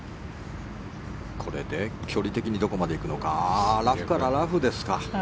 これで距離的にどこまで行くのかラフからラフですか。